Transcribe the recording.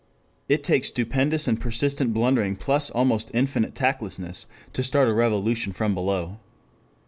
It takes stupendous and persistent blundering, plus almost infinite tactlessness, to start a revolution from below.